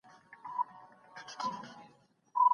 زما ته ياديدې